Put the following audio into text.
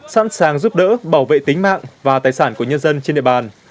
sẵn sàng giúp đỡ bảo vệ tính mạng và tài sản của nhân dân trên địa bàn